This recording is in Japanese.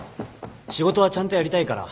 仕事はちゃんとやりたいから。